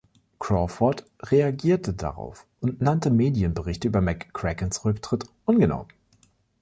Crawford reagierte darauf und nannte Medienberichte über McCrackens Rücktritt „ungenau“.